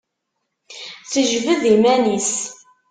Tejbed iman-is.